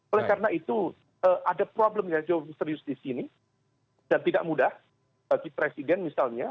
oleh karena itu ada problem yang serius disini dan tidak mudah bagi presiden misalnya